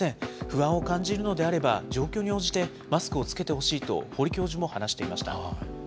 不安を感じるのであれば、状況に応じてマスクを着けてほしいと、堀教授も話していました。